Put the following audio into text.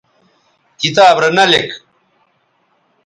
کتاب رے نہ لِک